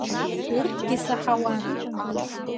Урҭгьы саҳауан.